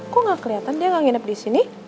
kok gak kelihatan dia nggak nginep di sini